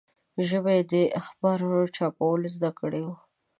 ژبه یې د اخبار چاپول زده کړي وو.